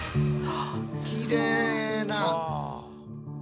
きれいな。